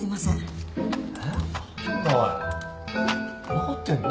分かってんの？